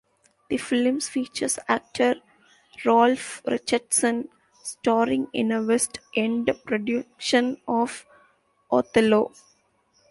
The films features actor Ralph Richardson starring in a West End production of "Othello".